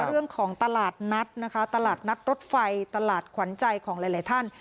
เรื่องของตลาดนัดนะคะตลาดนัดรถไฟตลาดขวัญใจของหลายหลายท่าน